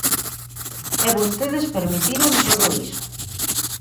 E vostedes permitiron todo iso.